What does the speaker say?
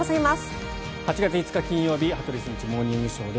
８月５日、金曜日「羽鳥慎一モーニングショー」。